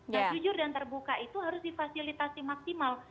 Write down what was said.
dan jujur dan terbuka itu harus difasilitasi maksimal